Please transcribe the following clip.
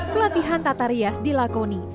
pelatihan tata rias dilakoni